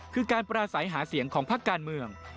คือการปราศัยหาเสียงของพักการเมือง